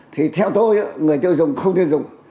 thì theo tôi người tiêu dùng không tiêu dùng